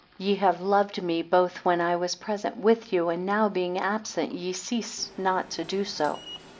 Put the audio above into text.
Ye have loved me both when I was present with you, and now being absent, ye cease not to do so.